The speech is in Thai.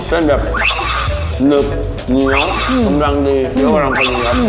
เต้นแบบหนึบเนื้ออืมสำหรับดีเดี๋ยวก็ลำเป็นเนื้อ